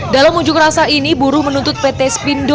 dalam unjuk rasa ini buruh menuntut pt spindo